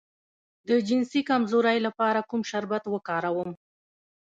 د جنسي کمزوری لپاره کوم شربت وکاروم؟